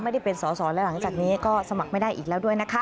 ไม่ได้เป็นสอสอและหลังจากนี้ก็สมัครไม่ได้อีกแล้วด้วยนะคะ